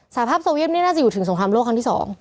สภาพโซเยี่ยมนี่น่าจะอยู่ถึงสงครามโลกครั้งที่๒